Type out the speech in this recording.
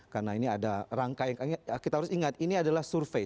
karena ini ada rangka yang kita harus ingat ini adalah survei